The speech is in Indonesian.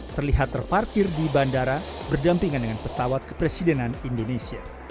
terlihat terparkir di bandara berdampingan dengan pesawat kepresidenan indonesia